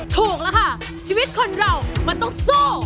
ถูกแล้วค่ะชีวิตคนเรามันต้องสู้